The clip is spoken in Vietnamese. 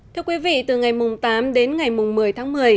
thưa quý vị từ ngày tám đến ngày một mươi tháng một mươi